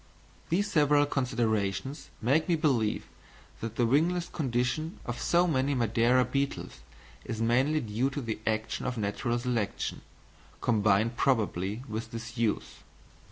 These several considerations make me believe that the wingless condition of so many Madeira beetles is mainly due to the action of natural selection, combined probably with disuse.